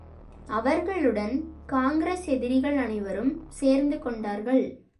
அவர்களுடன் காங்கிரஸ் எதிரிகள் அனைவரும் சேர்ந்து கொண்டார்கள்.